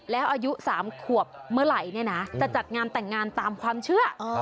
แล้วอายุ๓ขวบเมื่อไหร่เนี่ยนะจะจัดงานแต่งงานตามความเชื่อ